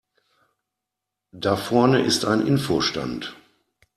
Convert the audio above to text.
Da vorne ist ein Info-Stand.